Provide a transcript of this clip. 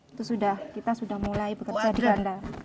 itu sudah kita sudah mulai bekerja di bandar